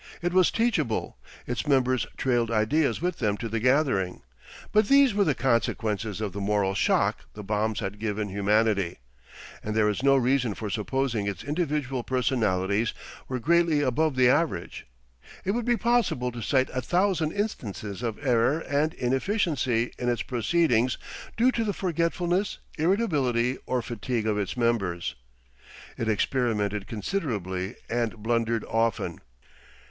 It was teachable, its members trailed ideas with them to the gathering, but these were the consequences of the 'moral shock' the bombs had given humanity, and there is no reason for supposing its individual personalities were greatly above the average. It would be possible to cite a thousand instances of error and inefficiency in its proceedings due to the forgetfulness, irritability, or fatigue of its members. It experimented considerably and blundered often.